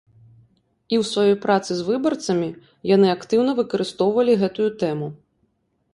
І ў сваёй працы з выбарцамі яны актыўна выкарыстоўвалі гэтую тэму.